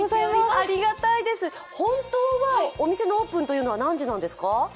ありがたいです、本当はお店のオープンというのは何時なんですか？